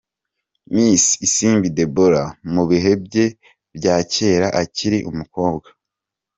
Miss Isimbi Deborah mu bihe bye bya kera akiri umukobwa.